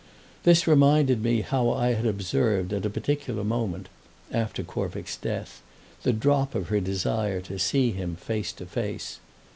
This reminded me how I had observed at a particular moment—after Corvick's death—the drop of her desire to see him face to face.